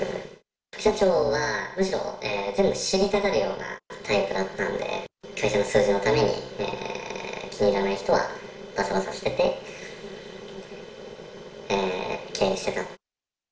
副社長はむしろ全部知りたがるようなタイプだったんで、会社の数字のために気に入らない人はばさばさ捨てて、経営してた。